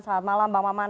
selamat malam bang maman